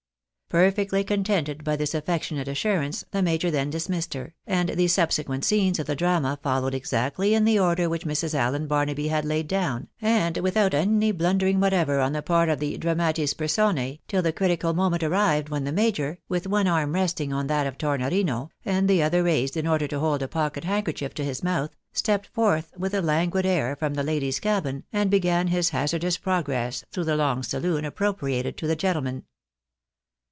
Perfectly contented by this affectionate assurance, the major then dismissed her, and the subsequent scenes of the drama fol lowed exactly in the order which Mrs. AUen Barnaby had laid down, and without any blundering whatever on the jart of the dramatis personx, till the critical moment arrived when the major, with one arm resting on that of Tornorino, and the other raised in order to hold a pocket handkerchief to his mouth, stepped forth NO LATJGHIJNG' MATTER. 303 with a languid air from the ladies' cabin, and began his hazardous progress through the long saloon appropriated to the gentlemen.